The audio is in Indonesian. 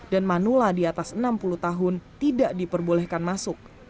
dan manula di atas enam puluh tahun tidak diperbolehkan masuk